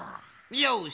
よし！